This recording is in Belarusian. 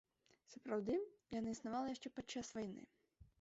Сапраўды, яна існавала яшчэ падчас вайны.